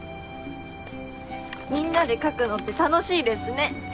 みんなで描くのって楽しいですね。